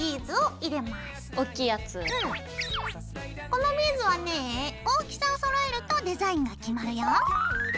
このビーズはねぇ大きさをそろえるとデザインが決まるよ。